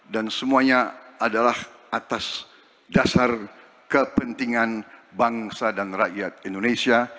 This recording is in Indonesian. dan semuanya adalah atas dasar kepentingan bangsa dan rakyat indonesia